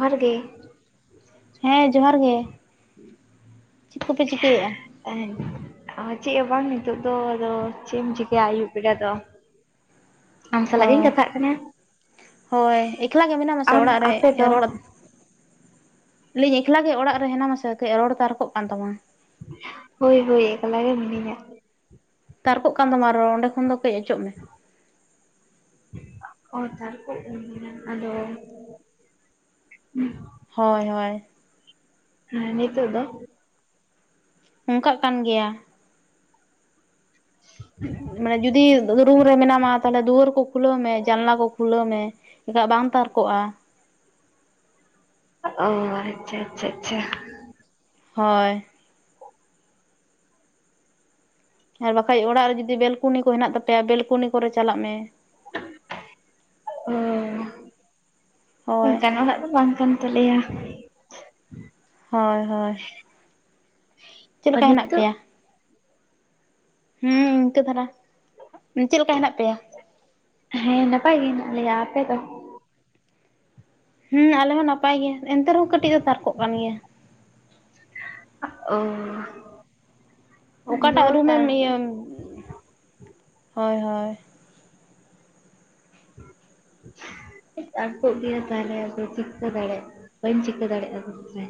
ᱵᱷᱟᱨ ᱜᱮ ᱦᱮᱸᱻ ᱡᱚᱦᱟᱨ ᱜᱮ ᱪᱮᱫ ᱠᱚᱯᱮ ᱪᱤᱠᱟᱹᱭᱮᱫᱼᱟ? ᱵᱟᱝ ᱟᱸᱡᱚᱢ ᱴᱷᱤᱠᱟᱹᱜ ᱠᱟᱱᱟ ᱪᱮᱫ ᱦᱚᱸ ᱵᱟᱝ ᱱᱤᱛᱳ ᱫᱚ ᱟᱫᱚ ᱪᱮᱫ ᱮᱢ ᱪᱤᱠᱟᱹᱭᱟ ᱟᱹᱭᱩᱵ ᱵᱮᱲᱟ ᱫᱚ, ᱟᱢ ᱥᱟᱞᱟᱜ ᱜᱤᱧ ᱦᱳᱭ, ᱠᱟᱛᱷᱟᱜ ᱠᱟᱱᱟ ᱦᱳᱭ ᱮᱠᱞᱟ ᱜᱮ ᱢᱮ ᱟᱥᱮ ᱟᱢ ᱚᱲᱟᱜ ᱨᱮ ᱟᱯᱮ ᱫᱚ ᱨᱚᱲ ᱟᱹᱞᱤᱧ ᱮᱠᱞᱟ ᱜᱮ ᱚᱲᱟᱜ ᱨᱮ ᱦᱮᱱᱟᱢᱟᱥᱮ ᱠᱟᱹᱡ ᱨᱚᱲ ᱛᱟᱨ ᱠᱚᱜ ᱠᱟᱱ ᱛᱟᱢᱟ, ᱦᱳᱭ-ᱦᱳᱭ ᱮᱠᱞᱟ ᱜᱮ ᱢᱤᱱᱟᱹᱧᱟ, ᱛᱟᱨᱠᱚᱜ ᱠᱟᱱ ᱛᱟᱢᱟ ᱨᱚᱲ ᱚᱸᱰᱮ ᱠᱷᱚᱱ ᱫᱚ ᱠᱟᱹᱡ ᱚᱪᱚᱜ ᱢᱮ, ᱛᱟᱨᱠᱚᱜ ᱠᱚᱱᱟ ᱟᱫᱚ ᱵᱟᱝ ᱟᱸᱡᱚᱢ ᱴᱷᱤᱠᱟᱹᱜ ᱠᱟᱱᱟ ᱦᱳᱭ-ᱦᱳᱭ ᱱᱤᱛᱚᱜ ᱫᱚ ᱚᱱᱠᱟᱜ ᱠᱟᱱ ᱜᱮᱭᱟ ᱵᱟᱝ ᱟᱸᱡᱚᱢᱚᱜ ᱠᱟᱱᱟ ᱢᱟᱱᱮ ᱡᱩᱫᱤ ᱨᱩᱢ ᱨᱮ ᱢᱮᱱᱟᱢᱟ ᱛᱟᱦᱚᱞᱮ ᱫᱩᱣᱟᱹᱨ ᱠᱚ ᱠᱷᱩᱞᱟᱹᱣ ᱢᱮ ᱡᱟᱱᱞᱟ ᱠᱚ ᱠᱷᱩᱞᱟᱹᱣ ᱢᱮ ᱮᱱᱠᱷᱟᱱ ᱵᱟᱝ ᱛᱟᱨᱠᱚᱜᱼᱟ᱾ ᱚᱜ ᱟᱪᱷᱟ-ᱟᱪᱷᱟ-ᱟᱪᱷᱟ᱾ ᱦᱳᱭ ᱦᱮᱸ ᱵᱟᱠᱷᱟᱡ ᱚᱲᱟᱜ ᱨᱮ ᱡᱩᱫᱤ ᱵᱮᱞᱠᱩᱱᱤ ᱠᱚ ᱦᱮᱱᱟᱜ ᱛᱟᱯᱮᱭᱟ ᱵᱮᱞᱠᱩᱱᱤ ᱠᱚ ᱨᱮ ᱪᱟᱞᱟᱜ ᱢᱮ᱾ ᱳᱦ ᱦᱳᱭ ᱚᱱᱠᱟᱱ ᱚᱲᱟᱜ ᱫᱚ ᱵᱟᱝ ᱠᱟᱱ ᱛᱟᱞᱮᱭᱟ ᱦᱳᱭ ᱦᱳᱭ ᱪᱮᱫ ᱞᱮᱠᱟ ᱦᱮᱱᱟᱜ ᱱᱤᱛᱚᱜ ᱯᱮᱭᱟ ᱦᱩᱸ ᱤᱱᱠᱟᱹ ᱫᱷᱟᱨᱟ ᱪᱮᱫ ᱞᱮᱠᱟ ᱦᱮᱱᱟᱜ ᱯᱮᱭᱟ ᱦᱮᱸ ᱱᱟᱯᱟᱭ ᱜᱮ ᱦᱮᱱᱟᱜ ᱞᱮᱭᱟ ᱟᱯᱮ ᱫᱚ ᱦᱩᱸ ᱟᱞᱮ ᱦᱚᱸ ᱱᱟᱯᱟᱭ ᱜᱮ ᱮᱱᱛᱮ ᱨᱮ ᱦᱚᱸ ᱠᱟᱹᱴᱤᱡ ᱫᱚ ᱛᱟᱨᱠᱚᱜ ᱠᱟᱱ ᱜᱮᱭᱟ ᱳᱻ ᱚᱠᱟᱴᱟᱜ ᱨᱩᱢᱮᱢ ᱤᱭᱟᱹ ᱦᱳᱭ ᱦᱳᱭ [inaudible] ᱛᱟᱨᱠᱚᱜ ᱜᱮᱭᱟ ᱛᱟᱦᱞᱮ ᱟᱫᱚ ᱪᱤᱠᱟᱹ ᱫᱟᱲᱮᱭᱟᱜ ᱟ ᱵᱟᱹᱧ ᱪᱤᱠᱟᱹ ᱫᱟᱲᱮᱭᱟᱜᱼᱟ ᱥᱮ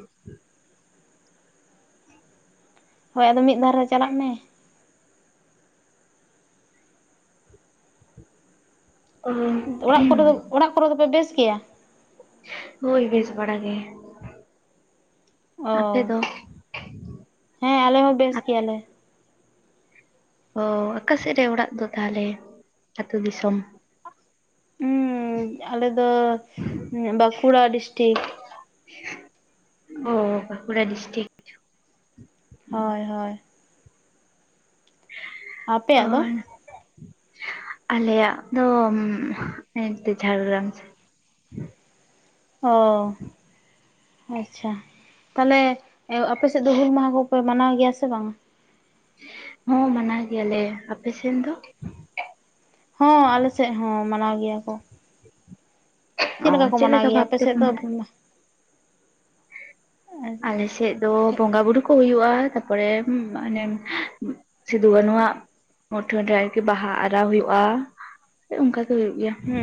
ᱦᱳᱭ ᱟᱫᱚ ᱢᱤᱫ ᱫᱷᱟᱨᱮ ᱪᱟᱞᱟᱜ ᱢᱮ [inaudible] ᱚᱲᱟᱜ ᱠᱚ ᱫᱚ ᱚᱲᱟᱜ ᱠᱚ ᱨᱮ ᱫᱚ ᱯᱮ ᱵᱮᱥ ᱜᱮᱭᱟ ᱦᱳᱭ ᱵᱮᱥ ᱵᱟᱲᱟ ᱜᱮ ᱚ ᱟᱯᱮ ᱫᱚ ᱦᱮᱸ ᱟᱞᱮ ᱦᱚᱸ ᱵᱮᱥ ᱜᱮᱭᱟᱞᱮ ᱚᱜ ᱟᱠᱟᱥᱮᱫ ᱨᱮ ᱚᱲᱟᱜ ᱫᱚ ᱛᱟᱦᱚᱞᱮ ᱟᱛᱳ ᱫᱤᱥᱚᱢ ᱩᱸ ᱟᱞᱮ ᱫᱚ ᱵᱟᱸᱠᱩᱲᱟ ᱰᱤᱥᱴᱤᱠ ᱚᱜ ᱵᱟᱸᱠᱩᱲᱟ ᱰᱤᱥᱴᱤᱠ ᱦᱳᱭ ᱦᱳᱭ ᱚ ᱟᱯᱮᱭᱟᱜ ᱫᱚ ᱟᱞᱮᱭᱟᱜ ᱫᱚ ᱦᱩᱸ ᱦᱟᱱᱛᱮ ᱡᱷᱟᱲᱜᱨᱟᱢ ᱥᱮᱫ ᱚᱻ ᱟᱪᱪᱷᱟ ᱛᱟᱦᱚᱞᱮ ᱟᱯᱮᱥᱮᱫ ᱫᱚ ᱦᱩᱞ ᱢᱟᱦᱟ ᱠᱚ ᱯᱮ ᱢᱟᱱᱟᱣ ᱜᱮᱭᱟ ᱥᱮ ᱵᱟᱝ ᱦᱚᱸ ᱢᱟᱱᱟᱣ ᱜᱮᱭᱟ ᱞᱮ ᱟᱯᱮ ᱥᱮᱱ ᱫᱚ ᱦᱚᱸ ᱟᱞᱮ ᱥᱮᱫ ᱦᱚᱸ ᱢᱟᱱᱟᱣ ᱜᱮᱭᱟ ᱠᱚ ᱪᱮᱫ ᱚ ᱞᱮᱠᱟ ᱠᱚ ᱢᱟᱱᱟᱣ ᱜᱮᱭᱟ ᱵᱷᱟᱵ ᱟᱯᱮᱥᱮᱫ ᱛᱮᱯᱮ ᱫᱚ ᱢᱟᱱᱟᱣᱟ? ᱟᱞᱮᱥᱮᱫ ᱫᱚ ᱵᱚᱸᱜᱟ ᱵᱩᱨᱩ ᱠᱚ ᱦᱩᱭᱩᱜᱼᱟ ᱛᱟᱯᱚᱨᱮ ᱢᱟᱱᱮ ᱥᱤᱫᱩ ᱠᱟᱹᱱᱩ ᱟᱜ ᱢᱩᱴᱷᱟᱹᱱ ᱨᱮ ᱟᱨᱠᱤ ᱵᱟᱦᱟ ᱟᱨᱟᱣ ᱦᱩᱭᱩᱜᱼᱟ ᱚᱱᱠᱟ ᱜᱮ ᱦᱩᱭᱩᱜ ᱜᱮᱭᱟ ᱦᱩᱸ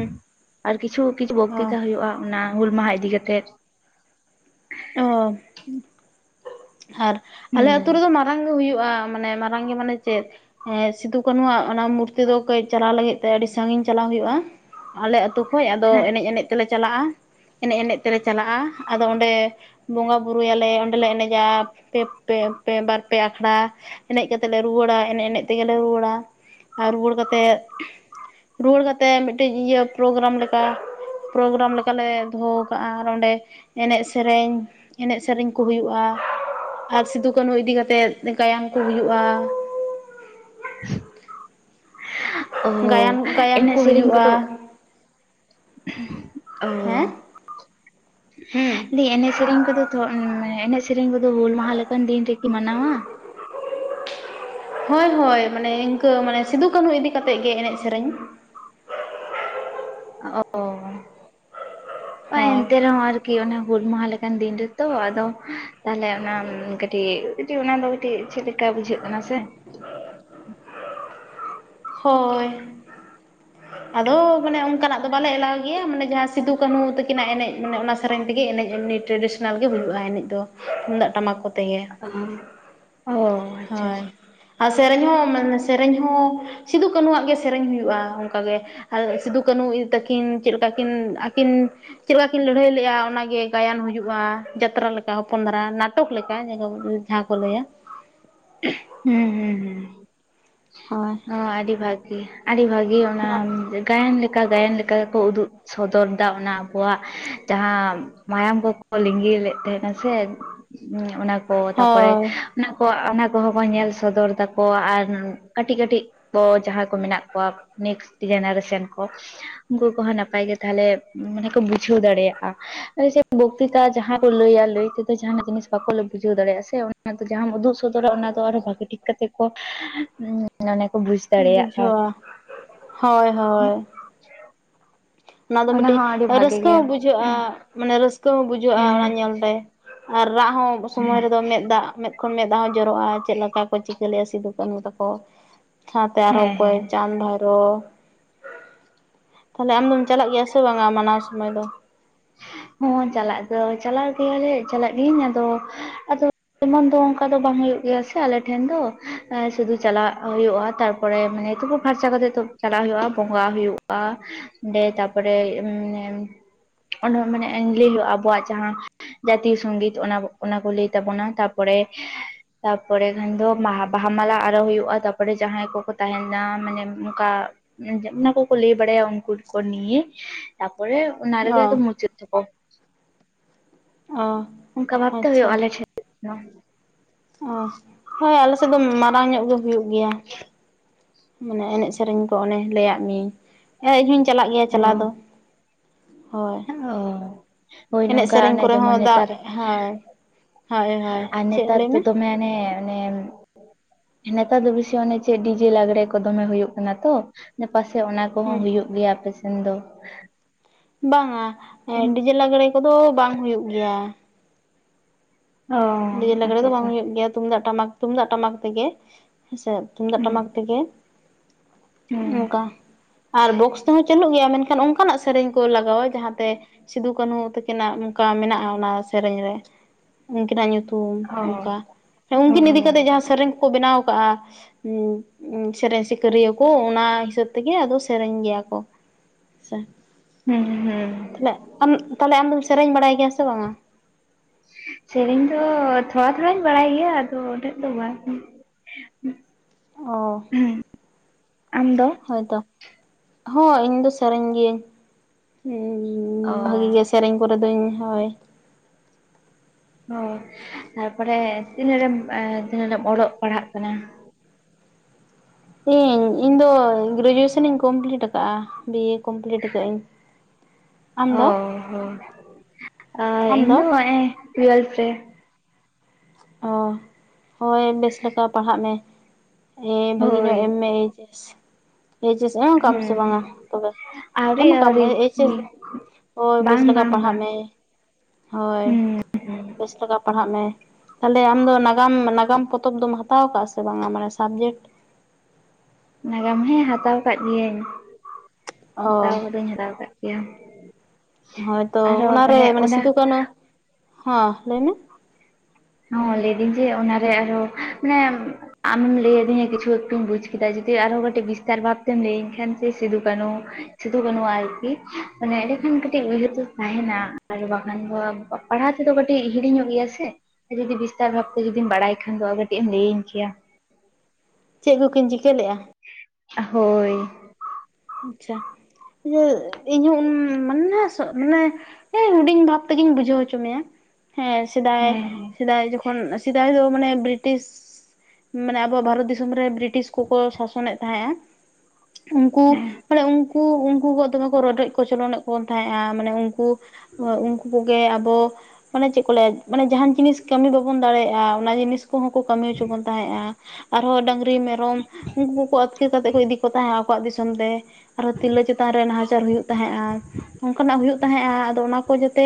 ᱟᱨ ᱠᱤᱪᱷᱩ ᱠᱤᱪᱷᱩ ᱚ ᱵᱚᱠᱛᱤᱛᱟ ᱦᱩᱭᱩᱜᱼᱟ ᱚᱱᱟ ᱦᱩᱞ ᱢᱟᱦᱟ ᱤᱫᱤ ᱠᱟᱛᱮᱫ ᱚ ᱟᱨ ᱦᱩᱸ ᱟᱞᱮ ᱟᱹᱛᱩ ᱨᱮ ᱫᱚ ᱢᱟᱨᱟᱝ ᱜᱮ ᱦᱩᱭᱩᱜᱼᱟ ᱢᱟᱱᱮ ᱢᱟᱨᱟᱝ ᱜᱮ ᱢᱟᱱᱮ ᱪᱮᱫ ᱮᱦ ᱥᱤᱫᱩ ᱠᱟᱹᱱᱩ ᱟᱜ ᱚᱱᱟ ᱢᱩᱨᱛᱤ ᱫᱚ ᱠᱟᱹᱡ ᱪᱟᱞᱟᱣ ᱞᱟᱹᱜᱤᱫ ᱛᱮ ᱟᱹᱰᱤ ᱥᱟᱹᱜᱤᱧ ᱪᱟᱞᱟᱣ ᱦᱩᱭᱩᱜᱼᱟ ᱟᱞᱮ ᱟᱛᱩ ᱠᱷᱚᱪ ᱟᱫᱚ ᱦᱮᱸ ᱮᱱᱮᱡ ᱮᱱᱮᱡ ᱛᱮ ᱞᱮ ᱪᱟᱞᱟᱜᱼᱟ ᱮᱱᱮᱡ ᱮᱱᱮᱡ ᱛᱮ ᱞᱮ ᱪᱟᱞᱟᱜᱼᱟ ᱟᱫᱚ ᱚᱸᱰᱮ ᱵᱚᱸᱜᱟ ᱵᱩᱨᱩ ᱭᱟᱞᱮ ᱚᱸᱰᱮ ᱞᱮ ᱮᱱᱮᱡᱟ ᱯᱮ ᱯᱮ ᱯᱮ ᱵᱟᱨ ᱯᱮ ᱟᱠᱷᱲᱟ ᱮᱱᱮᱡ ᱠᱟᱛᱮᱫ ᱞᱮ ᱨᱩᱣᱟᱹᱲᱟ ᱮᱱᱮᱡ ᱮᱱᱮᱡ ᱛᱮ ᱜᱮ ᱞᱮ ᱨᱩᱣᱟᱹᱲᱟ ᱟᱨ ᱨᱩᱣᱟᱹᱲ ᱠᱟᱛᱮᱫ ᱨᱩᱣᱟᱹᱲ ᱠᱟᱛᱮᱫ ᱢᱤᱫᱴᱮᱡ ᱤᱭᱟᱹ ᱯᱨᱳᱜᱨᱟᱢ ᱞᱮᱠᱟ ᱯᱨᱳᱜᱨᱟᱢ ᱞᱮᱠᱟ ᱞᱮ ᱫᱚᱦᱚ ᱠᱟᱜᱼᱟ ᱟᱨ ᱚᱸᱰᱮ ᱮᱱᱮᱡ ᱥᱮ ᱥᱮᱨᱮᱧ ᱮᱱᱮᱡ ᱥᱮᱨᱮᱧ ᱠᱚ ᱦᱩᱭᱩᱜᱼᱟ ᱟᱨ ᱥᱤᱫᱩ ᱠᱟᱹᱱᱩ ᱤᱫᱤ ᱠᱟᱛᱮᱫ ᱜᱟᱭᱟᱱ ᱠᱚ ᱦᱩᱭᱩᱜᱼᱟ ᱚ ᱜᱟᱭᱟᱱ ᱜᱟᱭᱟᱱ ᱮᱱᱮᱡ ᱠᱚ ᱥᱮᱨᱮᱧ ᱦᱩᱭᱩᱜᱼᱟ ᱠᱚᱫᱚ ᱚ [inaudible] ᱫᱤᱭᱮ ᱮᱱᱮᱡ ᱥᱮᱨᱮᱧ ᱠᱚᱫᱚ ᱮᱱᱮᱡ ᱥᱮᱨᱮᱧ ᱠᱚᱫᱚ ᱦᱩᱞ ᱢᱟᱦᱟ ᱞᱮᱠᱟᱱ ᱫᱤᱱ ᱨᱮ ᱠᱤ ᱢᱟᱱᱟᱣᱟ ᱾ ᱦᱳᱭ ᱦᱳᱭ, ᱢᱟᱱᱮ ᱤᱝᱠᱟᱹ ᱢᱟᱱᱮ ᱥᱤᱫᱩ ᱠᱟᱹᱱᱩ ᱤᱫᱤ ᱠᱟᱛᱮ ᱜᱮ ᱮᱱᱮᱡ ᱥᱮᱨᱮᱧ ᱾ ᱚ, ᱦᱳᱭ ᱮᱱᱛᱮ ᱨᱮᱦᱚᱸ ᱟᱨᱠᱤ ᱾ ᱠᱤ ᱚᱱᱟ ᱦᱩᱞ ᱢᱟᱦᱟ ᱞᱮᱠᱟᱱ ᱫᱤᱱ ᱨᱮᱛᱚ, ᱟᱫᱚ ᱛᱟᱦᱚᱞᱮ ᱚᱱᱟ ᱠᱟᱹᱴᱤᱡ ᱠᱟᱹᱴᱤᱡ ᱚᱱᱟ ᱫᱚ ᱠᱟᱹᱴᱤᱡ ᱪᱮᱫ ᱞᱮᱠᱟ ᱵᱩᱡᱷᱟᱹᱜ ᱠᱟᱱᱟ ᱥᱮ? [unintelligible] ᱦᱳᱭ ᱾ ᱟᱫᱚ ᱢᱟᱱᱮ ᱚᱱᱠᱟ ᱱᱟᱜ ᱫᱚ ᱵᱟᱞᱮ ᱮᱞᱟᱣ ᱜᱮᱭᱟ, ᱢᱟᱱᱮ ᱡᱟᱦᱟᱸ ᱥᱤᱫᱩ- ᱠᱟᱹᱱᱦᱩ ᱛᱟᱹᱠᱤᱱᱟᱜ ᱮᱱᱮᱡ, ᱢᱟᱱᱮ ᱚᱱᱟ ᱥᱮᱨᱮᱧ ᱛᱮᱜᱮ ᱮᱱᱮᱡ ᱮᱢᱱᱤ ᱴᱨᱮᱰᱤᱥᱚᱱᱟᱞ ᱜᱮ ᱦᱩᱭᱩᱜᱼᱟ, ᱮᱱᱮᱡ ᱫᱚ᱾ ᱛᱩᱢᱫᱟᱜ-ᱴᱟᱢᱟᱠ ᱠᱚ ᱛᱮ ᱜᱮ ᱾ ᱦᱚᱸ᱾ ᱦᱳᱭ, ᱟ ᱥᱮᱨᱮᱧ ᱦᱚᱸ ᱢᱮ ᱥᱮᱨᱮᱧ ᱦᱚᱸ ᱥᱤᱫᱩ-ᱠᱟᱹᱱᱦᱩᱣᱟᱜ ᱜᱮ ᱥᱮᱨᱮᱧ ᱦᱩᱭᱩᱜᱼᱟ, ᱚᱱᱠᱟ ᱜᱮ ᱾ ᱟᱨ ᱥᱤᱫᱩ ᱠᱟᱹᱱᱦᱩ ᱤᱫᱤ ᱛᱟᱹᱠᱤᱱ ᱪᱮᱫ ᱞᱮᱠᱟ ᱠᱤᱱ? ᱟᱹᱠᱤᱱ ᱪᱮᱫ ᱞᱮᱠᱟ ᱠᱤᱱ ᱞᱟᱹᱲᱦᱟᱹᱭ ᱞᱮᱫᱼᱟ? ᱚᱱᱟ ᱜᱮ ᱜᱟᱭᱟᱱ ᱦᱩᱭᱩᱜᱼᱟ, ᱡᱟᱛᱨᱟ ᱞᱮᱠᱟ ᱾ ᱦᱚᱯᱚᱱ ᱫᱷᱟᱹᱨᱟ ᱱᱟᱴᱚᱠ ᱞᱮᱠᱟ ᱾ ᱡᱟᱦᱟᱸ ᱠᱚ ᱞᱟᱹᱭᱟ ᱦᱩᱸ ᱦᱩᱸ ᱦᱩᱸ ᱾ ᱦᱳᱭ ᱾ ᱚ, ᱟᱹᱰᱤ ᱵᱷᱟᱹᱜᱤ, ᱟᱹᱰᱤ ᱵᱷᱟᱹᱜᱤ, ᱚᱱᱟ ᱜᱟᱭᱟᱱ ᱞᱮᱠᱟ ᱜᱟᱭᱟᱱ ᱞᱮᱠᱟ ᱠᱚ ᱩᱫᱩᱜ ᱥᱚᱫᱚᱨ ᱫᱟ, ᱚᱱᱟ ᱟᱵᱚᱣᱟᱜ ᱡᱟᱦᱟᱸ ᱢᱟᱭᱟᱢ ᱠᱚᱠᱚ ᱞᱤᱸᱜᱤ ᱞᱮᱫ ᱛᱟᱦᱮᱸᱱᱟ ᱥᱮ ᱚᱱᱟ ᱠᱚ ᱛᱟᱨᱯᱚᱨᱮ, ᱦᱳᱭ ᱚᱱᱟ ᱠᱚ, ᱚᱱᱟ ᱠᱚᱦᱚᱸ ᱵᱚᱱ ᱧᱮᱞ ᱥᱚᱫᱚᱨ ᱮᱫᱟ ᱠᱚ ᱟᱨ ᱠᱟᱹᱴᱤᱡ ᱠᱟᱹᱴᱤᱡ ᱠᱚ ᱡᱟᱦᱟᱸᱭ ᱠᱚ ᱢᱮᱱᱟᱜ ᱠᱚᱣᱟ᱾ ᱱᱮᱠᱥᱴ ᱡᱮᱱᱟᱨᱮᱥᱮᱱ ᱠᱚ, ᱩᱱᱠᱩ ᱠᱚᱦᱚᱸ ᱱᱟᱯᱟᱭ ᱜᱮ ᱛᱟᱦᱚᱸᱞᱮ ᱢᱟᱱᱮ ᱠᱚ ᱵᱩᱡᱷᱟᱹᱣ ᱫᱟᱲᱮᱭᱟᱜᱼᱟ ᱾ ᱵᱚᱠᱛᱤᱛᱟ ᱡᱟᱦᱟᱸ ᱠᱚ ᱞᱟᱹᱭᱟ ᱞᱟᱹᱭ ᱛᱮ ᱡᱟᱦᱟᱱᱟᱜ ᱡᱤᱱᱤᱥ ᱵᱟᱠᱚ ᱵᱩᱡᱷᱟᱹᱣ ᱫᱟᱲᱮᱭᱟᱜᱼᱟ ᱥᱮ, ᱚᱱᱟ ᱫᱚ ᱡᱟᱦᱟᱸ ᱩᱫᱩᱜ ᱥᱚᱫᱽᱨᱟ ᱚᱱᱟ ᱫᱚ ᱟᱨᱚ ᱵᱷᱟᱹᱜᱤ ᱴᱷᱤᱠ ᱠᱟᱛᱮ ᱠᱚ, ᱟᱱᱮ ᱚᱱᱟ ᱠᱚ ᱵᱩᱡ ᱵᱩᱡᱷᱟᱹᱣᱼᱟ, ᱦᱳᱭ ᱦᱳᱭ ᱾ ᱚᱱᱟ ᱫᱚ ᱢᱤᱫᱴᱤᱡ ᱦᱚᱸ ᱟᱹᱰᱤ ᱵᱷᱟᱜᱮ ᱨᱟᱹᱥᱠᱟᱹ ᱜᱮ ᱦᱚᱸ ᱵᱩᱡᱷᱟᱹᱜ ᱵᱩᱡᱷᱟᱹᱜᱼᱟ, ᱢᱟᱱᱮ ᱨᱟᱹᱥᱠᱟᱹ ᱦᱚᱸ ᱵᱩᱡᱷᱟᱹᱜᱼᱟ᱾ ᱚᱱᱟ ᱦᱮᱸ ᱧᱮᱞ ᱛᱮ ᱟᱨ ᱨᱟᱜ ᱦᱚᱸ ᱥᱚᱢᱚᱭ ᱨᱮᱫᱚ ᱢᱮᱫ ᱫᱟᱜ ᱢᱮᱫ ᱠᱷᱚᱱ ᱢᱮᱫ ᱫᱟᱜ ᱦᱚᱸ ᱡᱚᱨᱚᱜᱼᱟ᱾ ᱪᱮᱫ ᱞᱮᱠᱟ ᱠᱚ ᱪᱤᱠᱟᱹ ᱞᱮᱫᱼᱟ, ᱥᱤᱫᱩᱼ ᱠᱟᱹᱱᱦᱩ ᱛᱟᱠᱚ? ᱥᱟᱶᱛᱮ ᱟᱨᱦᱚᱸ ᱦᱮᱸ ᱚᱠᱚᱭ ᱦᱮᱸ ᱪᱟᱸᱫᱽ ᱵᱷᱟᱭᱨᱳ ᱾ ᱛᱟᱦᱞᱮ ᱟᱢ ᱫᱚᱢ ᱪᱟᱞᱟᱜ ᱜᱮᱭᱟ ᱥᱮ ᱵᱟᱝᱼᱟ ᱢᱟᱱᱟᱣ ᱥᱚᱢᱚᱭ ᱫᱚ? ᱦᱚᱸ, ᱪᱟᱞᱟᱜ ᱫᱚ ᱪᱟᱞᱟᱜ ᱜᱮᱭᱟ ᱞᱮ, ᱪᱟᱞᱟᱜ ᱜᱤᱭᱟᱹᱧ, ᱟᱫᱚ ᱟᱫᱚ ᱮᱢᱚᱱ ᱫᱚ ᱚᱱᱠᱟ ᱫᱚ ᱵᱟᱝ ᱦᱩᱭᱩᱜ ᱜᱮᱭᱟ ᱥᱮ, ᱟᱞᱮ ᱴᱷᱮᱱ ᱫᱚ, ᱥᱩᱫᱷᱩ ᱪᱟᱞᱟᱜ ᱦᱩᱭᱩᱜᱼᱟ ᱾ ᱛᱟᱨᱯᱚᱨᱮ ᱢᱟᱱᱮ ᱛᱩᱯᱩ ᱯᱷᱟᱹᱨᱪᱟ ᱠᱟᱛᱮ ᱛᱚ ᱪᱟᱞᱟᱜ ᱦᱩᱭᱩᱜᱼᱟ᱾ ᱵᱚᱸᱜᱟ ᱦᱩᱭᱩᱜᱼᱟ ᱾ ᱚᱸᱰᱮ ᱛᱟᱨᱯᱚᱨᱮ ᱚᱱᱟ ᱢᱟᱱᱮ ᱞᱟᱹᱭ ᱦᱩᱭᱩᱜᱼᱟ, ᱟᱵᱚᱣᱟᱜ ᱡᱟᱦᱟᱸ ᱡᱟᱛᱤᱭᱚ ᱥᱚᱝᱜᱤᱛ, ᱚᱱᱟ ᱚᱱᱟ ᱠᱚ ᱞᱟᱹᱭ ᱛᱟᱵᱚᱱᱟ, ᱛᱟᱯᱚᱨᱮ ᱛᱟᱯᱚᱨᱮ ᱠᱷᱟᱱ ᱫᱚ ᱵᱟᱦᱟ ᱢᱟᱞᱟ ᱟᱨᱟᱣ ᱦᱩᱭᱩᱜᱼᱟ, ᱛᱟᱯᱚᱨᱮ ᱡᱟᱦᱟᱸᱭ ᱠᱚᱠᱚ ᱛᱟᱦᱮᱱᱟ᱾ ᱢᱟᱱᱮ ᱚᱱᱠᱟ ᱡᱮ ᱚᱱᱟ ᱠᱚ ᱠᱚ ᱞᱟᱹᱭ ᱵᱟᱲᱟᱭ ᱩᱱᱠᱩ ᱠᱚ ᱱᱤᱭᱮ, ᱛᱟᱯᱚᱨᱮ ᱚᱱᱟ ᱨᱮᱜᱮ ᱚ ᱠᱚ ᱢᱩᱪᱟᱹᱫ ᱛᱟᱠᱚ, ᱚ ᱚᱱᱠᱟ ᱵᱷᱟᱵᱽ ᱛᱮ ᱦᱩᱭᱩᱜ ᱟᱪᱪᱷᱟ ᱟᱞᱮ ᱴᱷᱮᱱ ᱾ [inaudible] ᱚ, ᱦᱳᱭ ᱟᱞᱮ ᱥᱮᱫ ᱫᱚ ᱢᱟᱨᱟᱝ ᱧᱚᱜ ᱜᱮ ᱦᱩᱭᱩᱜ ᱜᱮᱭᱟ᱾ ᱢᱟᱱᱮ ᱮᱱᱮᱡ ᱥᱮᱨᱮᱧ ᱠᱚ ᱚᱱᱮ ᱞᱟᱹᱭ ᱟᱫᱚ ᱢᱤᱭᱟᱹᱧ, ᱤᱧ ᱦᱚᱧ ᱪᱟᱞᱟᱜ ᱜᱮᱭᱟ ᱪᱟᱞᱟᱣ ᱫᱚ ᱾ ᱚ ᱦᱳᱭ ᱾ ᱚ, ᱦᱳᱭ ᱱᱚᱝᱠᱟ ᱚᱱᱮ ᱠᱚᱨᱮ ᱡᱮᱢᱚᱱ ᱦᱚᱸ ᱫᱟᱜ ᱱᱮᱛᱟᱨ ᱦᱳᱭ ᱦᱳᱭ ᱦᱳᱭ ᱟᱨ ᱪᱮᱫ ᱱᱮᱛᱟᱨ ᱞᱟᱹᱭ ᱫᱚ ᱢᱮ ᱫᱚᱢᱮ ᱚᱱᱮ ᱚᱱᱮ ᱱᱮᱛᱟᱨ ᱫᱚ ᱵᱮᱥᱤ ᱚᱱᱮ ᱪᱮᱫ ᱰᱤᱡᱮ ᱞᱟᱜᱽᱲᱮ ᱠᱚ ᱫᱚᱢᱮ ᱦᱩᱭᱩᱜ ᱠᱟᱱᱟ ᱛᱚ? ᱯᱟᱥᱮᱡ ᱚᱱᱟ ᱠᱚᱦᱚᱸ ᱦᱮᱸ ᱦᱩᱭᱩᱜ ᱜᱮᱭᱟ ᱟᱯᱮ ᱥᱮᱱ ᱫᱚ? ᱵᱟᱝᱼᱟ, ᱰᱤᱡᱮ ᱞᱟᱜᱽᱬᱮ ᱠᱚᱫᱚ ᱵᱟᱝ ᱦᱩᱭᱩᱜ ᱜᱮᱭᱟ ᱾ ᱚ ᱰᱮᱡᱮ ᱞᱟᱜᱲᱮ ᱟᱪᱪᱷᱟ ᱫᱚ ᱵᱟᱝ ᱟᱪᱪᱷᱟ ᱦᱩᱭᱩᱜ ᱜᱮᱭᱟ, ᱛᱩᱢᱫᱟᱜ ᱴᱟᱢᱟᱠ, ᱛᱩᱢᱫᱟᱜ ᱴᱟᱢᱟᱠ ᱛᱮᱜᱮ, ᱦᱮᱸᱥᱮ ᱛᱩᱢᱫᱟᱜ ᱦᱩᱸ ᱴᱟᱢᱟᱠ ᱛᱮᱜᱮ, ᱦᱩᱸ ᱚᱝᱠᱟ, ᱟᱨ ᱵᱚᱠᱥ ᱛᱮᱦᱚᱸ ᱪᱟᱹᱞᱩᱜ ᱜᱮᱭᱟ ᱢᱮᱱᱠᱷᱟᱱ ᱚᱝᱠᱟᱱᱟᱜ ᱥᱮᱨᱮᱧ ᱠᱚ ᱞᱟᱜᱟᱣᱟ ᱡᱟᱦᱟᱸᱛᱮ ᱥᱤᱫᱩ ᱠᱟᱹᱱᱦᱩ ᱛᱟᱹᱠᱤᱱᱟᱜ ᱚᱝᱠᱟ ᱢᱮᱱᱟᱜᱼᱟ ᱚᱱᱟ ᱥᱮᱨᱮᱧ ᱨᱮ᱾ ᱩᱱᱠᱤᱱᱟᱜ ᱧᱩᱛᱩᱢ ᱚ ᱚᱝᱠᱟ, ᱦᱮᱸ ᱩᱱᱠᱤᱱ ᱤᱫᱤ ᱚ ᱠᱟᱛᱮᱜ ᱡᱟᱦᱟᱸ ᱥᱮᱨᱮᱧ ᱠᱚᱠᱚ ᱵᱮᱱᱟᱣ ᱠᱟᱜ-ᱟ [inaudible] ᱥᱮᱨᱮᱧ ᱥᱤᱠᱟᱹᱨᱤᱭᱟᱹ ᱠᱚ ᱚᱱᱟ ᱦᱤᱥᱟᱹᱵ ᱛᱮᱜᱮ ᱟᱫᱚ ᱥᱮᱨᱮᱧ ᱜᱮᱭᱟ ᱠᱚ᱾ [inaudible] ᱦᱩᱸ ᱦᱩᱸ ᱛᱟᱦᱚᱞᱮ ᱟᱢ, ᱛᱟᱞᱚᱦᱮ ᱟᱢ ᱫᱚᱢ ᱥᱮᱨᱮᱧ ᱵᱟᱲᱟᱭ ᱜᱮᱭᱟ ᱥᱮ ᱵᱟᱝᱟ? ᱥᱮᱨᱮᱧ ᱫᱚ ᱛᱷᱚᱲᱟ ᱛᱷᱚᱲᱟᱧ ᱵᱟᱲᱟᱭ ᱜᱮᱭᱟ ᱟᱫᱚ ᱩᱱᱟᱹᱜ ᱫᱚ ᱵᱟᱝ᱾ ᱚ᱾ ᱦᱩᱸ᱾ ᱦᱳᱭᱛᱚ, ᱦᱚᱸ ᱤᱧ ᱫᱚ ᱥᱮᱨᱮᱧ ᱜᱤᱭᱟᱹᱧ᱾ ᱚ ᱦᱩᱸ, ᱵᱷᱟᱜᱤ ᱜᱮ ᱥᱮᱨᱮᱧ ᱠᱚᱨᱮ ᱫᱩᱧ ᱦᱳᱭ᱾ ᱚ, ᱛᱟᱨᱯᱚᱨᱮ ᱛᱤᱱᱟᱹᱜ ᱨᱮᱢ ᱛᱤᱱᱟᱹᱢ ᱨᱮᱢ ᱚᱞᱚᱜ ᱯᱟᱲᱦᱟᱜ ᱠᱟᱱᱟ? ᱤᱧ, ᱤᱧ ᱫᱚ ᱜᱨᱮᱡᱩᱭᱮᱥᱮᱱᱤᱧ ᱠᱚᱢᱯᱞᱤᱴ ᱟᱠᱟᱜᱼᱟ ᱵᱤ. ᱮ. ᱠᱚᱢᱯᱞᱤᱴ ᱟᱹᱠᱟᱹᱜ ᱟᱹᱧ᱾ [inaudible] ᱚ ᱦᱚ, [unintelligible] ᱤᱧ ᱫᱚ [unintelligible] ᱴᱩᱭᱮᱞᱵᱷ ᱨᱮ᱾ ᱚ, ᱦᱳᱭ ᱵᱮᱥ ᱞᱮᱠᱟ ᱯᱟᱲᱦᱟᱜ ᱢᱮ᱾ ᱮ ᱵᱷᱟᱹᱜᱤ ᱦᱳᱭ ᱧᱚᱜ ᱮᱢ ᱢᱮ ᱮᱭᱤᱪ. ᱮᱥ. ᱾ ᱮᱭᱤᱪ. ᱮᱥ. ᱮᱢ ᱠᱟᱜ-ᱟᱢ ᱥᱮ ᱦᱩᱸ ᱵᱟᱝᱟ ᱦᱩᱸ ᱛᱚᱵᱮ? ᱟᱹᱣᱨᱤ ᱮᱢ ᱠᱟᱜ ᱢᱮ ᱟᱹᱣᱨᱤ ᱮᱭᱤᱪ. ᱮᱥ. ᱫᱚ᱾ ᱦᱳᱭ ᱵᱮᱥ ᱵᱟᱝ ᱞᱮᱠᱟ ᱵᱟᱝ ᱯᱟᱲᱦᱟᱜ ᱵᱟᱝ ᱢᱮ᱾ ᱦᱳᱭ ᱦᱩᱸ ᱵᱮᱥ ᱞᱮᱠᱟ ᱯᱟᱲᱦᱟᱜ ᱢᱮ᱾ ᱛᱟᱦᱚᱞᱮ ᱟᱢᱫᱚ ᱱᱟᱜᱟᱢ ᱱᱟᱜᱟᱢ ᱯᱚᱛᱚᱵ ᱫᱚᱢ ᱦᱟᱛᱟᱣ ᱠᱟᱜ-ᱟ ᱥᱮ ᱵᱟᱝᱟ ᱢᱟᱱᱮ ᱥᱟᱵᱡᱮᱠᱴ? ᱱᱟᱜᱟᱢ ᱦᱮᱸ ᱦᱟᱛᱟᱣ ᱠᱟᱜ ᱜᱤᱭᱟᱹᱧ, ᱚ ᱦᱟᱛᱟᱣ ᱠᱟᱹᱫᱟᱹᱧ ᱦᱟᱛᱟᱣ ᱠᱟᱜ ᱜᱮᱭᱟ᱾ ᱦᱳᱭᱛᱚ ᱟᱨᱦᱚᱸ ᱚᱱᱟᱨᱮ ᱢᱟᱱᱮ ᱚᱱᱟ ᱥᱤᱫᱩ ᱠᱟᱹᱱᱦᱩ, ᱦᱚᱸ ᱞᱟᱹᱭ ᱢᱮ? ᱦᱚᱸ ᱞᱟᱹᱭᱫᱟᱹᱧ ᱡᱮ ᱚᱱᱟᱨᱮ ᱟᱨᱚ ᱢᱟᱱᱮ ᱟᱢᱮᱢ ᱞᱟᱹᱭᱟᱹᱫᱤᱧᱟ ᱠᱤᱪᱷᱩ ᱮᱠᱴᱩᱧ ᱵᱩᱡ ᱠᱮᱫᱟ ᱡᱩᱫᱤ ᱟᱨᱦᱚᱸ ᱠᱟᱹᱴᱤᱡ ᱵᱤᱥᱛᱟᱨ ᱵᱷᱟᱵ ᱛᱮᱢ ᱞᱟᱹᱭᱟᱹᱧ ᱠᱷᱟᱱ ᱥᱮ ᱥᱤᱫᱩ ᱠᱟᱹᱱᱩ ᱥᱤᱫᱩ ᱠᱟᱹᱱᱩᱜᱼᱟ ᱟᱨᱠᱤ, ᱢᱟᱱᱮ ᱮᱸᱰᱮᱠᱷᱟᱱ ᱠᱟᱹᱴᱤᱡ ᱩᱭᱦᱟᱹᱨ ᱫᱚ ᱛᱟᱦᱮᱸᱱᱟ ᱟᱨ ᱵᱟᱠᱷᱟᱱ ᱫᱚ ᱯᱟᱲᱦᱟᱣ ᱛᱮᱫᱚ ᱠᱟᱹᱴᱤᱡ ᱦᱤᱲᱤᱧᱚᱜ ᱜᱮᱭᱟ ᱥᱮ᱾ ᱡᱩᱫᱤ ᱵᱤᱥᱛᱟᱨ ᱵᱷᱟᱵ ᱛᱮ ᱡᱩᱫᱤᱢ ᱵᱟᱲᱟᱭ ᱠᱷᱟᱱ ᱫᱚ ᱠᱟᱹᱴᱤᱡ ᱮᱢ ᱞᱟᱹᱭᱟᱹᱧ ᱠᱮᱭᱟ᱾ ᱪᱮᱫ ᱠᱚᱠᱤᱱ ᱪᱤᱠᱟᱹ ᱞᱮᱜ-ᱟ᱾ ᱦᱳᱭ᱾ ᱟᱪᱪᱷᱟ, ᱤᱭᱟᱹ ᱤᱧᱦᱚᱸ ᱩᱱ ᱢᱟᱱᱮ ᱥᱚ ᱢᱟᱱᱮ ᱮᱭ ᱦᱩᱰᱤᱧ ᱵᱷᱟᱵ ᱛᱮᱜᱤᱧ ᱵᱩᱡᱷᱟᱹᱣ ᱦᱚᱪᱚ ᱢᱮᱭᱟ, ᱦᱮᱸ ᱥᱮᱫᱟᱭ ᱦᱮᱸ ᱥᱮᱫᱟᱭ ᱡᱚ ᱠᱷᱚᱱ ᱥᱮᱫᱟᱭ ᱫᱚ ᱢᱟᱱᱮ ᱵᱨᱤᱴᱤᱥ, ᱢᱟᱱᱮ ᱟᱵᱚᱣᱟᱜ ᱵᱷᱟᱨᱚᱛ ᱫᱤᱥᱚᱢ ᱨᱮ ᱵᱨᱤᱴᱤᱥ ᱠᱚᱠᱚ ᱥᱟᱥᱚᱱᱮᱜ ᱛᱟᱦᱮᱸᱜ-ᱟ᱾ ᱩᱱᱠᱩ ᱦᱮᱸ ᱩᱝᱠᱩ ᱩᱱᱠᱩ ᱠᱚ ᱫᱚᱢᱮ ᱠᱚ ᱨᱚᱰᱚᱡ ᱠᱚᱪᱚᱞᱚᱱᱮᱫ ᱵᱚᱱ ᱛᱟᱦᱮᱸᱫᱼᱟ ᱢᱟᱱᱮ ᱩᱱᱠᱩ ᱩᱱᱠᱩ ᱠᱚᱜᱮ ᱟᱵᱚ ᱢᱟᱱᱮ ᱪᱮᱫ ᱠᱚ ᱞᱟᱹᱭᱟ ᱢᱟᱱᱮ ᱡᱟᱦᱟᱸᱱ ᱡᱤᱱᱤᱥ ᱠᱟᱹᱢᱤ ᱵᱟᱵᱚᱱ ᱫᱟᱲᱮᱭᱟᱜᱼᱟ ᱚᱱᱟ ᱡᱤᱱᱤᱥ ᱠᱚᱦᱚᱸ ᱠᱚ ᱠᱟᱹᱢᱤ ᱦᱚᱪᱚ ᱵᱚᱱ ᱛᱟᱦᱮᱸᱜᱼᱟ, ᱟᱨᱦᱚᱸ ᱰᱟᱹᱝᱨᱤ, ᱢᱮᱨᱚᱢ ᱩᱝᱠᱩ ᱠᱚᱠᱚ ᱟᱹᱛᱠᱤᱨ ᱠᱟᱛᱮᱫ ᱠᱚ ᱤᱫᱤ ᱠᱚ ᱛᱟᱦᱮᱸᱫᱼᱟ ᱟᱠᱚᱣᱟᱜ ᱫᱤᱥᱚᱢ ᱛᱮ, ᱟᱨᱦᱚᱸ ᱛᱤᱨᱞᱟᱹ ᱪᱮᱛᱟᱱ ᱨᱮ ᱱᱟᱦᱟᱪᱟᱨ ᱦᱩᱭᱩᱜ ᱛᱟᱦᱮᱸᱫᱼᱟ᱾ ᱚᱱᱠᱟᱱᱟᱜ ᱦᱩᱭᱩᱜ ᱛᱟᱦᱮᱸᱜᱼᱟ ᱟᱫᱚ ᱚᱱᱟ ᱠᱚ ᱡᱟᱛᱮ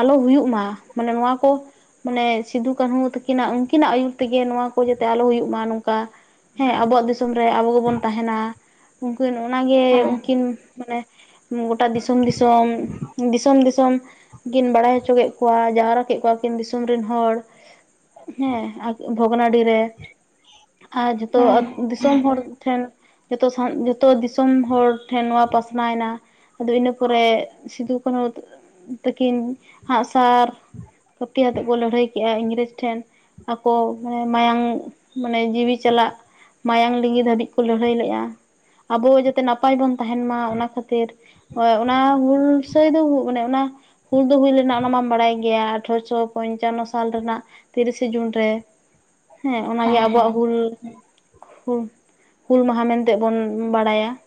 ᱟᱞᱚ ᱦᱩᱭᱩᱜ ᱢᱟ ᱢᱟᱱᱮ ᱱᱚᱣᱟ ᱠᱚ ᱢᱟᱱᱮ ᱥᱤᱫᱩ ᱠᱟᱹᱱᱦᱩ ᱛᱟᱹᱠᱤᱱᱟᱜ ᱩᱱᱠᱤᱱᱟᱜ ᱟᱹᱭᱩᱨ ᱛᱮᱜᱮ ᱱᱚᱣᱟ ᱠᱚ ᱡᱟᱛᱮ ᱟᱞᱚ ᱦᱩᱭᱩᱜ ᱢᱟ ᱱᱚᱝᱠᱟ ᱦᱮᱸ ᱟᱵᱚᱣᱟᱜ ᱫᱤᱥ ᱥᱚᱢ ᱨᱮ ᱟᱵᱚ ᱜᱮᱵᱚᱱ ᱛᱟᱦᱮᱸᱱᱟ, ᱩᱝᱠᱤᱱ ᱚᱱᱟ ᱜᱮ ᱦᱮᱸ ᱩᱝᱠᱤᱱ ᱢᱟᱱᱮ ᱜᱚᱴᱟ ᱫᱤᱥᱚᱢ ᱫᱤᱥᱚᱢ, ᱫᱤᱥᱚᱢ ᱫᱤᱥᱚᱢ ᱠᱤᱱ ᱵᱟᱲᱟᱭ ᱦᱚᱪᱚ ᱠᱮᱫ ᱠᱚᱣᱟ, ᱡᱟᱣᱨᱟ ᱠᱮᱫ ᱠᱚᱣᱟ ᱠᱤᱱ ᱫᱤᱥᱚᱢ ᱨᱮᱱ ᱦᱚᱲ, ᱦᱮᱸ ᱵᱷᱚᱜᱽᱱᱟᱰᱤ ᱨᱮ᱾ ᱟᱨ ᱡᱚᱛᱚ ᱦᱮᱸ ᱦᱮᱸ ᱟᱛ ᱫᱤᱥᱚᱢ ᱦᱚᱲ ᱴᱷᱮᱱ ᱡᱚᱛᱚ ᱥᱟᱶ ᱡᱚᱛᱚ ᱫᱤᱥ ᱫᱤᱥᱚᱢ ᱦᱚᱲ ᱴᱷᱮᱱ ᱱᱚᱣᱟ ᱯᱟᱥᱱᱟᱣᱱᱟ, ᱟᱫᱚ ᱤᱱᱟᱹ ᱯᱚᱨᱮ ᱥᱤᱫᱩ ᱠᱟᱱᱦᱩ ᱛᱟᱠᱤᱱ ᱦᱟᱸᱜ ᱥᱟᱨ ᱠᱟᱹᱯᱤ ᱟᱛᱮᱫ ᱠᱚ ᱞᱟᱹᱲᱦᱟᱹᱭ ᱠᱮᱜᱼᱟ ᱤᱝᱨᱮᱡᱽ ᱴᱷᱮᱱ ᱟᱠᱚ ᱢᱟᱱᱮ ᱢᱟᱭᱟᱝ ᱢᱟᱱᱮ ᱡᱤᱣᱤ ᱪᱟᱞᱟᱜ ᱢᱟᱭᱟᱝ ᱞᱤᱸᱜᱤ ᱫᱷᱟᱹᱵᱤᱡ ᱠᱚ ᱞᱟᱹᱲᱦᱟᱹᱭ ᱞᱮᱫᱼᱟ, ᱟᱵᱚ ᱡᱟᱛᱮ ᱱᱟ ᱯᱟᱭ ᱵᱚᱱ ᱛᱟᱦᱮᱱ ᱢᱟ ᱚᱱᱟ ᱠᱷᱟᱹᱛᱤᱨ ᱾ ᱚᱱᱟ ᱦᱩᱞᱥᱟᱹᱭ ᱫᱚ ᱢᱟᱱᱮ ᱚᱱᱟ ᱦᱩᱞ ᱫᱚ ᱦᱩᱭ ᱞᱮᱱᱟ ᱚᱱᱟ ᱢᱟᱢ ᱵᱟᱲᱟᱭ ᱜᱮᱭᱟ ᱟᱴᱷᱨᱚᱥᱚ ᱯᱚᱧᱪᱟᱱᱱᱚ ᱥᱟᱞ ᱨᱮᱱᱟᱜ ᱛᱤᱨᱤᱥᱮ ᱡᱩᱱ ᱨᱮ ᱦᱮᱸ᱾ ᱚᱱᱟ ᱜᱮ ᱦᱮᱸ ᱟᱵᱚᱣᱟᱜ ᱦᱮᱸ ᱦᱩᱞ ᱾ ᱦᱩᱞ, ᱦᱩᱞ ᱢᱟᱦᱟ ᱢᱮᱱᱛᱮ ᱵᱚᱱ ᱵᱟᱰᱟᱭᱟ ᱾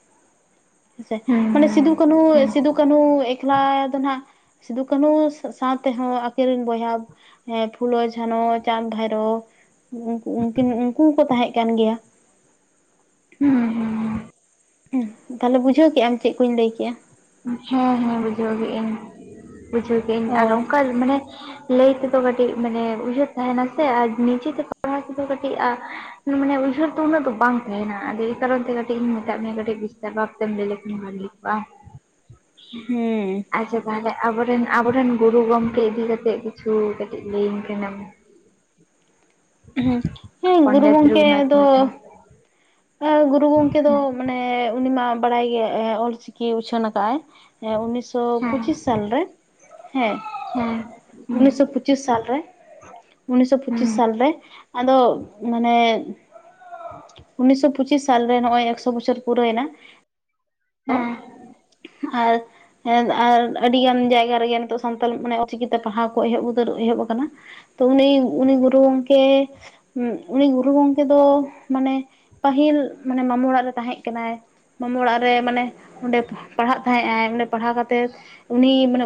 ᱦᱮᱸ ᱥᱮ ᱦᱮᱸ ᱢᱟᱱᱮ ᱥᱤᱫᱩ ᱠᱟᱹᱱᱩ, ᱦᱮᱸ ᱥᱤᱫᱩᱼᱠᱟᱹᱱᱩ ᱮᱠᱞᱟ ᱫᱚ ᱱᱟᱜ ᱥᱤᱫᱩ ᱠᱟᱱᱩ ᱥᱟᱶ ᱛᱮᱦᱚᱸ ᱟᱹᱠᱤᱨ ᱨᱮᱱ ᱵᱚᱭᱦᱟ ᱦᱮᱸ ᱯᱷᱩᱞᱳ ᱡᱷᱟᱱᱚ ᱪᱟᱸᱱ ᱵᱷᱟᱭᱨᱳ ᱩᱱ ᱩᱱᱠᱩ ᱠᱚᱠᱚ ᱛᱟᱦᱮᱸᱫ ᱠᱟᱱ ᱜᱮᱭᱟ ᱾ ᱦᱩᱸ ᱦᱩᱸ ᱦᱩᱸ ᱦᱮᱸ ᱛᱟᱦᱚᱞᱮ ᱵᱩᱡᱷᱟᱹᱣ ᱠᱮᱜ ᱟᱢ ᱪᱮᱫ ᱠᱩᱧ ᱞᱟᱹᱭ ᱠᱮᱫᱼᱟ ᱾ ᱦᱮᱸ, ᱦᱮᱸ ᱵᱩᱡᱷᱟᱹᱣ ᱠᱮᱫ ᱟᱹᱧ ᱵᱩᱡᱷᱟᱹᱣ ᱠᱮᱫ ᱟᱹᱧ ᱚ ᱟᱨ ᱚᱱᱠᱟ ᱢᱟᱱᱮ ᱞᱟᱹᱭ ᱛᱮᱫᱚ ᱠᱟᱹᱴᱤᱡ ᱢᱟᱱᱮ ᱩᱭᱦᱟᱹᱨ ᱛᱟᱦᱮᱱᱟ ᱥᱮ ᱟᱨ ᱱᱤᱡᱮ ᱛᱮ ᱯᱟᱲᱦᱟᱣ ᱛᱮᱫᱚ ᱠᱟᱹᱴᱤᱡ ᱢᱟᱱᱮ ᱩᱭᱦᱟᱹᱨ ᱫᱚ ᱩᱱᱟᱹᱜ ᱫᱚ ᱵᱟᱝ ᱛᱟᱦᱮᱱᱟ᱾ ᱟᱫᱚ ᱮᱭ ᱠᱟᱨᱚᱱ ᱛᱮ ᱠᱟᱹᱴᱤᱡ ᱤᱧ ᱢᱮᱫ ᱢᱮᱭᱟ ᱠᱟᱹᱴᱤᱡ ᱵᱤᱥᱛᱟᱨ ᱵᱷᱟ ᱵᱛᱮ ᱞᱟᱹᱭ ᱞᱮᱠᱷᱟᱡ ᱵᱷᱟᱜᱤ ᱠᱚᱜᱼᱟ ᱦᱩᱸ ᱾ ᱟᱪᱪᱷᱟ ᱛᱟᱦᱚᱞᱮ ᱟᱵᱚᱨᱮᱱ, ᱟᱵᱚᱨᱮᱱ ᱜᱩᱨᱩ ᱜᱚᱢᱠᱮ ᱤᱫᱤ ᱠᱟᱛᱮᱫ, ᱠᱤᱪᱷᱩ ᱠᱟᱹᱴᱤᱡ ᱞᱟᱹᱭᱟᱹᱧ ᱠᱟᱱᱟᱢ ᱦᱮᱸ ᱜᱩᱨᱩ ᱯᱚᱱᱰᱤᱛ ᱜᱚᱝᱠᱮ ᱨᱚᱜᱷᱩᱱᱟᱛᱷ ᱫᱚ ᱢᱩᱨᱢᱩ ᱮᱻ ᱜᱩᱨᱩ ᱜᱚᱝᱠᱮ ᱫᱚ ᱢᱟᱱᱮ ᱩᱱᱤ ᱢᱟ ᱵᱟᱲᱟᱭ ᱜᱮ ᱚᱞ ᱪᱤᱠᱤ ᱩᱪᱷᱟᱹᱱ ᱟᱠᱟᱫ ᱟᱭ ᱦᱮᱸ ᱩᱱᱤᱥᱥᱚ ᱦᱮᱸ ᱯᱚᱸᱪᱤᱥ ᱥᱟᱞ ᱨᱮ ᱦᱮᱸ ᱦᱮᱸ ᱾ ᱦᱩᱸ ᱩᱱᱤᱥᱚ ᱯᱩᱪᱤᱥ ᱥᱟᱞ ᱨᱮ, ᱩᱱᱤᱥᱚ ᱦᱩᱸ ᱯᱩᱪᱤᱥ ᱥᱟᱞ ᱨᱮ ᱟᱫᱚ ᱢᱟᱱᱮ [inaudible] ᱩᱱᱤᱥᱚ ᱯᱚᱸᱪᱤᱥ ᱥᱟᱞ ᱨᱮ ᱱᱚᱜᱼᱚᱭ ᱮᱠᱥᱚ ᱵᱚᱪᱷᱚᱨ ᱯᱩᱨᱟᱹᱭᱮᱱᱟ ᱦᱮᱸ ᱦᱮᱸ ᱾ ᱟᱨ, ᱟᱨ ᱟᱹᱰᱤ ᱜᱟᱱ ᱡᱟᱭᱜᱟ ᱨᱮᱜᱮ ᱱᱤᱛᱚᱜ ᱥᱟᱱᱛᱟᱲ ᱠᱷᱚᱱᱟᱜ ᱚᱞ ᱪᱤᱠᱤ ᱛᱮ ᱯᱟᱲᱟᱣ ᱠᱚ ᱮᱦᱚᱵ ᱩᱛᱟᱹᱨ ᱮᱦᱚᱵ ᱟᱠᱟᱱᱟ ᱾ ᱛᱚ ᱩᱱᱤ, ᱩᱱᱤ ᱜᱩᱨᱩ ᱜᱚᱢᱠᱮ ᱩᱱᱤ ᱜᱩᱨᱩ ᱜᱚᱢᱠᱮ ᱫᱚ ᱢᱟᱱᱮ ᱯᱟᱹᱦᱤᱞ ᱢᱟᱱᱮ ᱢᱟᱢᱩ ᱚᱲᱟᱜ ᱨᱮ ᱛᱟᱦᱮᱸ ᱠᱟᱱᱟᱭ ᱴᱟᱴᱟ ᱚᱲᱟᱜ ᱨᱮ ᱢᱟᱱᱮ ᱚᱸᱰᱮ ᱯᱟᱲᱦᱟᱜ ᱛᱟᱦᱮᱸᱜ ᱟᱭ᱾ ᱚᱸᱰᱮ ᱯᱟᱲᱦᱟᱣ ᱠᱟᱛᱮᱫ ᱩᱱᱤ ᱢᱟᱱᱮ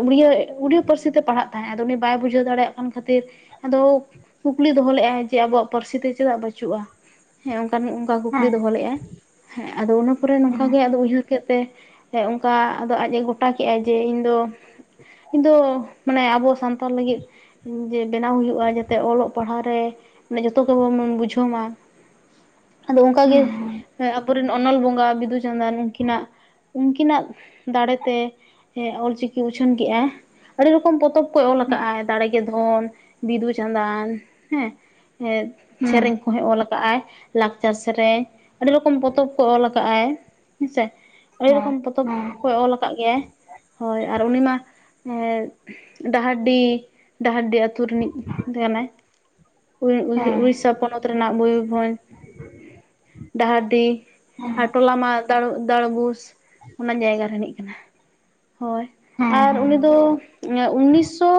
ᱩᱲᱤᱭᱟ ᱯᱟᱹᱨᱥᱤ ᱛᱮ ᱯᱟᱲᱦᱟᱜ ᱛᱟᱦᱮᱸᱜ, ᱟᱫᱚ ᱩᱱᱤ ᱵᱟᱭ ᱵᱩᱡᱷᱟᱹᱣ ᱫᱟᱲᱮᱭᱟᱜᱼᱟ᱾ ᱠᱷᱟᱹᱛᱤᱨ ᱟᱫᱚ ᱠᱩᱠᱞᱤ ᱫᱚᱦᱚ ᱞᱮᱫᱼᱟ ᱡᱮ ᱟᱵᱚᱣᱟᱜ ᱯᱟᱹᱨᱥᱤ ᱛᱮ ᱪᱮᱫᱟᱜ ᱵᱟᱹᱪᱩᱜᱼᱟ᱾ ᱦᱮᱸ ᱚᱱᱠᱟᱱ ᱚᱠᱟ ᱠᱩᱠᱞᱤ ᱫᱚᱦᱚ ᱞᱮᱫ ᱟᱭ ᱦᱮᱸ, ᱟᱫᱚ ᱚᱱᱟ ᱯᱚᱨᱮ ᱱᱚᱝ ᱦᱩᱸ ᱜᱮ ᱟᱫ ᱩᱭᱦᱟᱹᱨ ᱪᱤᱠᱟᱹᱜ ᱛᱮ ᱚᱱᱠᱟ ᱟᱫᱚ ᱟᱡᱮ ᱜᱚᱴᱟ ᱠᱮᱫᱟᱭ ᱡᱮ ᱤᱧ ᱫᱚ, ᱤᱧ ᱫᱚ ᱢᱟᱱᱮ ᱟᱵᱚ ᱥᱟᱱ ᱛᱟᱲ ᱞᱟᱹᱜᱤᱫ ᱡᱮ ᱵᱮᱱᱟᱣ ᱦᱩᱭᱩᱜᱼᱟ, ᱡᱟᱛᱮ ᱚᱞᱚᱜ ᱯᱟᱲᱦᱟᱜ ᱨᱮ ᱡᱚᱛᱚ ᱜᱮᱵᱚᱱ ᱵᱩᱡᱷᱟᱹᱣ ᱢᱟ ᱾ ᱟᱫᱚ ᱚᱱᱠᱟ ᱜᱮ ᱦᱩᱸ ᱦᱩᱸ ᱟᱵᱚᱨᱮᱱ ᱚᱱᱚᱞ ᱵᱚᱸᱜᱟ ᱵᱤᱫᱩᱼᱪᱟᱸᱫᱟᱱ, ᱩᱱᱠᱤᱱᱟᱜ ᱤᱱᱠᱤᱱᱟᱜ ᱫᱟᱲᱮ ᱛᱮ ᱚᱞ ᱪᱤᱠᱤ ᱩᱪᱷᱟᱹᱱ ᱠᱮᱫᱟᱭ᱾ ᱟᱹᱰᱤ ᱨᱚᱠᱚᱢ ᱯᱚᱛᱚᱵ ᱠᱚᱭ ᱚᱞ ᱟᱠᱟᱫ ᱟᱭ, ᱫᱟᱲᱮᱜᱮ ᱫᱷᱚ, ᱵᱤᱫᱩᱼᱪᱟᱸᱫᱟᱱ ᱦᱮᱸ ᱦᱩᱸ ᱥᱮᱨᱮᱧ ᱚᱞ ᱟᱠᱟᱫ ᱟᱭ ᱾ ᱞᱟᱠᱪᱟᱨ ᱥᱮᱨᱮᱧ ᱟᱹᱰᱤ ᱨᱚᱠᱚᱢ ᱯᱚᱛᱚᱵ ᱠᱚ ᱚᱞ ᱟᱠᱟᱫ ᱟᱭ ᱦᱮᱸ ᱥᱮ ᱾ ᱟᱹᱰᱤ ᱦᱮᱸ ᱨᱚᱠᱚᱢ ᱯᱚᱛᱚᱵ ᱦᱮᱸ ᱠᱚᱭ ᱚᱞ ᱟᱠᱟᱫ ᱜᱮᱭᱟᱭ ᱾ ᱦᱳᱭ ᱟᱨ ᱩᱱᱤ ᱢᱟ ᱰᱟᱦᱟᱨᱰᱤ ᱰᱟᱦᱟᱨᱰᱤ ᱟᱛᱳ ᱨᱤᱱᱤᱡ ᱠᱟᱱᱟᱭ᱾ ᱦᱮᱸ ᱤᱲᱤᱥᱥᱟ ᱯᱚᱱᱚᱛ ᱨᱮᱱᱟᱜ ᱢᱚᱭᱩᱨᱵᱷᱚᱸᱡᱽ [inaudible] ᱰᱟᱦᱟᱨᱰᱤ ᱦᱮᱸ ᱟᱨ ᱴᱚᱞᱟ ᱢᱟ ᱫᱟᱲᱩᱜ ᱫᱟᱲᱵᱩᱥ ᱚᱱᱟ ᱡᱟᱭᱜᱟ ᱨᱮᱱᱤᱡ ᱠᱟᱱᱟ᱾ ᱦᱳᱭ ᱦᱮᱸ ᱟᱨ ᱩᱱᱤ ᱦᱮᱸ ᱫᱚ ᱮᱸ ᱩᱱᱤᱥᱼᱥᱚ